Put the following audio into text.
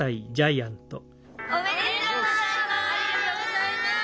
おめでとうございます！